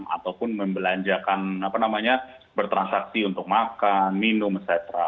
ataupun membelanjakan apa namanya bertransaksi untuk makan minum